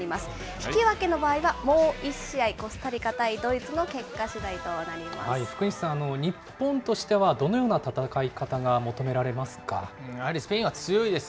引き分けの場合はもう１試合、コスタリカ対ドイツの結果しだいと福西さん、日本としてはどのやはりスペインは強いです。